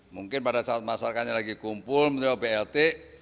mungkin pada saat masyarakatnya lagi kumpul mencoba blt